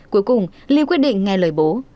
cuối cùng liu quyết định nghe lời bố